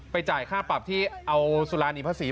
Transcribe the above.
ไปจ่ายค่าปรับที่เอาสุรนิพฤษี